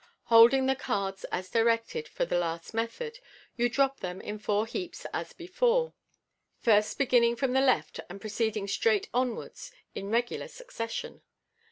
Holding the cards as directed for the last method, you drop them in four heaps as before, but beginning from the left, and proceeding straight onwards in MODERN MAGIC. a; regular succession.